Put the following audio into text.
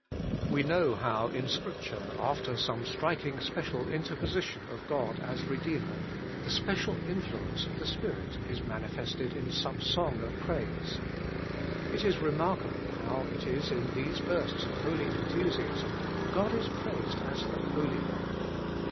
We know how in Scripture, after some striking special interposition of God as Redeemer, the special influence of the Spirit is manifested in some song of praise. It is remarkable how it is in these outbursts of holy enthusiasm, God is praised as the Holy One.